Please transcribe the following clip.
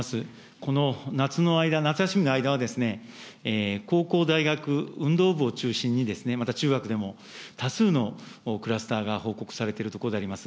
この夏の間、夏休みの間は、高校、大学、運動部を中心にですね、また中学でも、多数のクラスターが報告されているところであります。